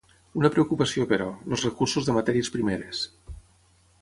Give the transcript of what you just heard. Una preocupació, però: els recursos de matèries primeres.